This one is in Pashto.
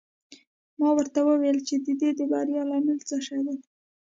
ما ورته وویل چې د دې د بریا لامل څه شی دی.